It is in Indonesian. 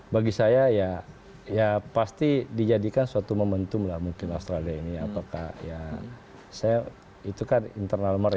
bagi saya ya pasti dijadikan suatu momentum lah mungkin australia ini apakah ya saya itu kan internal mereka